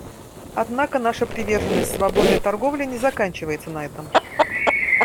Однако наша приверженность свободной торговле не заканчивается на этом.